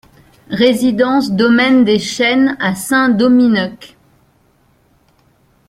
Résidence Domaine des Chenes à Saint-Domineuc